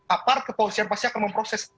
apart kepolisian pasti akan memproses